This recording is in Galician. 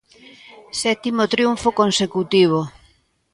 Sétimo triunfo consecutivo.